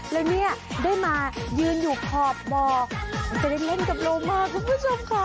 และนี่ได้มายืนอยู่ขอบบอร์จะได้เล่นกับโลมาส์คุณผู้ชมค่ะ